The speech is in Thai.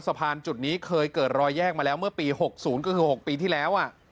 จุดนี้เคยเกิดรอยแยกมาแล้วเมื่อปี๖๐ก็คือ๖ปีที่แล้ว